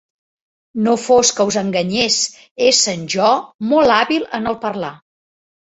No fos que us enganyés, essent jo molt hàbil en el parlar.